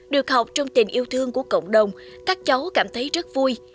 được học trong tình yêu thương của cộng đồng các cháu cảm thấy rất vui